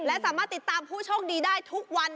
และสามารถติดตามผู้โชคดีได้ทุกวัน